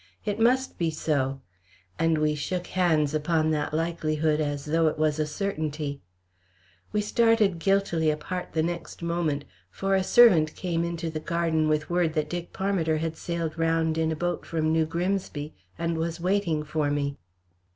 It must be so!" and we shook hands upon that likelihood as though it was a certainty. We started guiltily apart the next moment, for a servant came into the garden with word that Dick Parmiter had sailed round in a boat from New Grimsby, and was waiting for me.